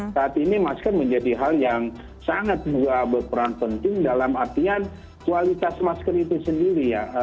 saat ini masker menjadi hal yang sangat juga berperan penting dalam artian kualitas masker itu sendiri ya